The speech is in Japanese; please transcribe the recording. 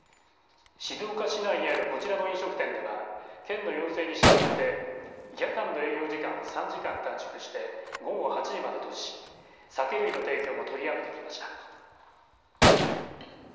静岡市内にあるこちらの飲食店では県の要請に従って夜間の営業時間を３時間短縮して午後８時までとし、酒類の提供もとりやめてきました。